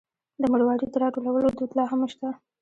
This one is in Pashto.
د مروارید د راټولولو دود لا هم شته.